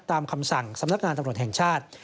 คำสั่งสำนักงานตำรวจแห่งชาติ